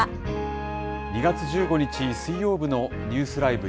２月１５日水曜日のニュースＬＩＶＥ！